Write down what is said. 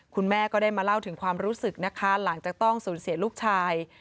คุณแม่ก็ได้มาเล่าถึงความรู้สึกนะคะหลังจากต้องสูญเสียลูกชาย